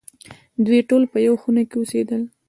دوی ټول په یوه خونه کې اوسېدل.